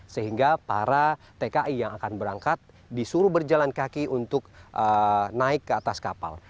sehingga para tki yang akan berangkat disuruh berjalan kaki untuk naik ke atas kapal